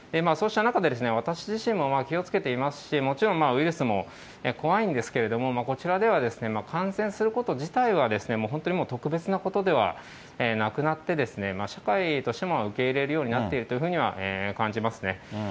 そうした中で、私自身も気をつけていますし、もちろんウイルスも怖いんですけれども、こちらでは、感染すること自体は本当に特別なことではなくなって、社会としても受け入れるふうになっているとは感じますね。